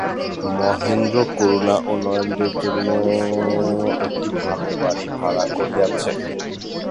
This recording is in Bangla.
মহেন্দ্র করুণা ও নরেন্দ্রের জন্য একটি ভালো বাড়ি ভাড়া করিয়াছে।